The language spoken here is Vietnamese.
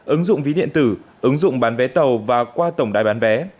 ứng dụng ví điện tử ứng dụng bán vé tàu và qua tổng đài bán vé